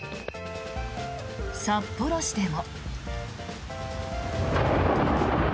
札幌市でも。